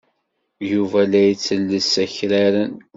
Yuba la ittelles akraren.